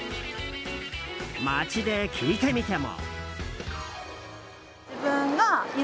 街で聞いてみても。